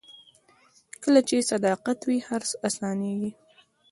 کله چې صداقت وي، خرڅ اسانېږي.